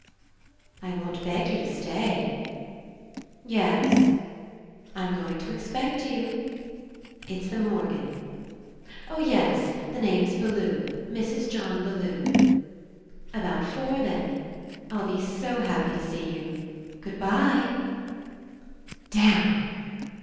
... I won't beg you to stay. ... Yes. ... I'm going to expect you ... It's the Morgan. .. Oh, yes! The name's Bellew, Mrs. John Bellew. ... About four, then. ... I'll be so happy to see you! ... Goodbye." "Damn!"